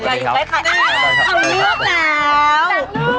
เราเลือกแล้ว